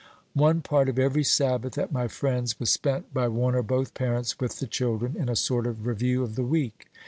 One part of every Sabbath at my friend's was spent by one or both parents with the children, in a sort of review of the week.